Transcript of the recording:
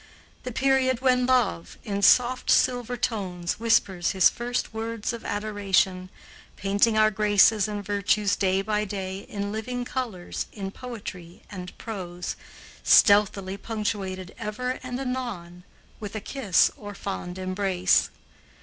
The period when love, in soft silver tones, whispers his first words of adoration, painting our graces and virtues day by day in living colors in poetry and prose, stealthily punctuated ever and anon with a kiss or fond embrace.